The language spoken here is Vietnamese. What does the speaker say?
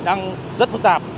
đang rất phức tạp